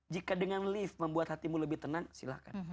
jika dengan lift membuat hatimu lebih tenang silahkan